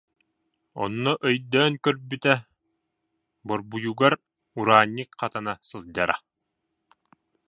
Онно өй- дөөн көрбүтэ: борбуйугар Ураанньык хатана сылдьара